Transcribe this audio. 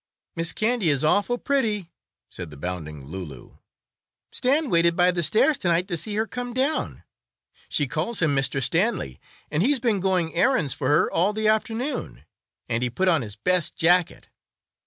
"Miss Candy is awful pretty!" said the bounding Loulou. "Stan waited by the stairs to night to see her come down. She calls him Mr. Stanley, and he's been going errands for her all the afternoon. And he put on his best jacket!"